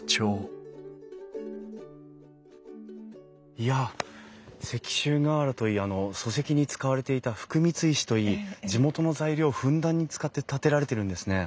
いや石州瓦といい礎石に使われていた福光石といい地元の材料をふんだんに使って建てられてるんですね。